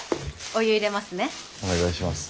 お願いします。